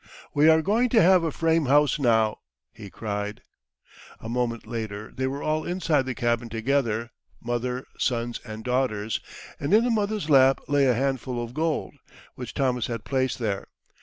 "We are going to have a frame house now," he cried. A moment later they were all inside the cabin together mother, sons, and daughters, and in the mother's lap lay a handful of gold, which Thomas had placed there.